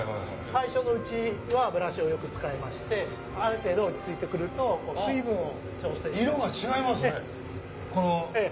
最初のうちはブラシをよく使いましてある程度落ち着いてくると水分を。